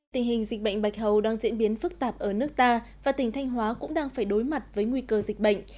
tình hình dịch bệnh bạch hầu đang diễn biến phức tạp ở nước ta và tỉnh thanh hóa cũng đang phải đối mặt với nguy cơ dịch bệnh